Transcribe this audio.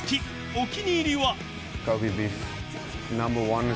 お気に入りは。